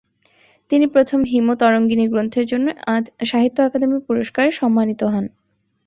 তিনি প্রথম 'হিমতরঙ্গিনী' গ্রন্থের জন্য সাহিত্য অকাদেমি পুরস্কারে সম্মানিত হন।